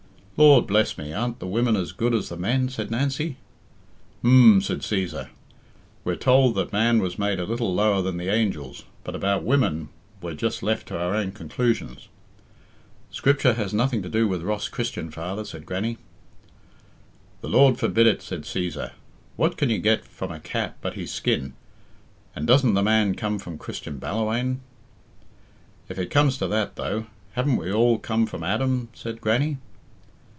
"Lord bless me, aren't the women as good as the men?" said Nancy. "H'm," said Cæsar. "We're told that man was made a little lower than the angels, but about women we're just left to our own conclusions." "Scripture has nothing to do with Ross Christian, father," said Grannie. "The Lord forbid it," said Cæsar. "What can you get from a cat but his skin? And doesn't the man come from Christian Ballawhaine!" "If it comes to that, though, haven't we all come from Adam?" said Grannie.